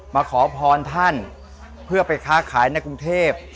มาขอพรท่านเพื่อไปค้าขายในกรุงเทพ